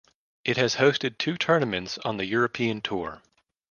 It has hosted two tournaments on the European Tour.